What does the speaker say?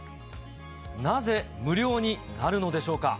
なぜ無料になるのでしょうか。